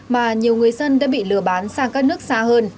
mà nhiều người dân đã bị lừa bán sang các nước xa hơn